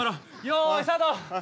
よいスタート！